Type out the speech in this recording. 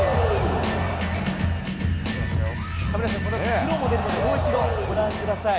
スローで、もう一度ご覧ください。